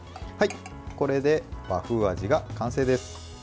これで和風味が完成です。